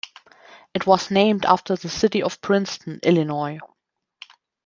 It was named after the city of Princeton, Illinois.